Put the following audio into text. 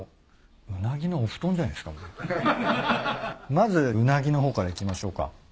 まずうなぎの方からいきましょうか。